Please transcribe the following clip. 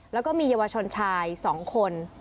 แล้วก็มีเยาวชนชาย๒คน